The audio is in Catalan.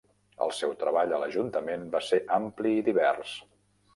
El seu treball a l'ajuntament va ser ampli i divers.